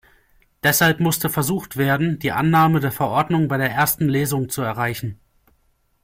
Deshalb musste versucht werden, die Annahme der Verordnung bei der ersten Lesung zu erreichen.